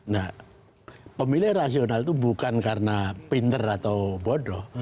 nah pemilih rasional itu bukan karena pinter atau bodoh